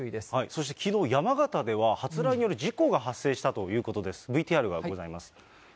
そしてきのう山形では、発雷による事故が発生したということです。